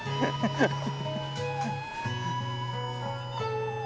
ハハハハ！